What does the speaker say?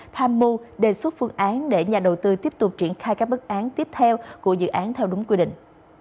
tham mưu đề xuất phương án để nhà đầu tư tiếp tục triển khai các bức án tiếp theo của dự án theo đúng quy định